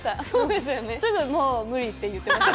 すぐにもう無理って言ってました。